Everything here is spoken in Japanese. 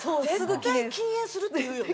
絶対「禁煙する」って言うよね。